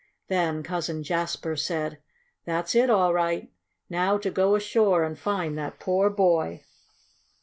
Then Cousin Jasper said: "That's it all right. Now to go ashore and find that poor boy!"